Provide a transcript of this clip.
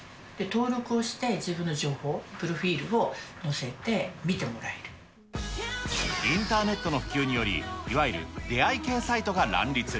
登録をして、自分の情報、プロフインターネットの普及により、いわゆる出会い系サイトが乱立。